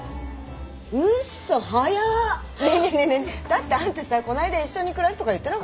だってあんたさこないだ一緒に暮らすとか言ってなかった？